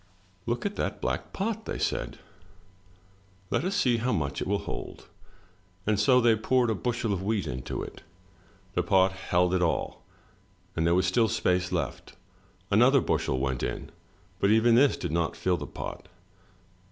Look at that black pot!" they said. "Let us see how much it will hold!" And so they poured a bushel of wheat into it. The pot held it all, and there was still space left. Another bushel went in, but even this did not fill the pot.